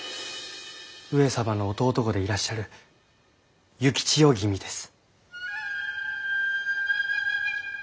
上様の弟御でいらっしゃる幸千代君です。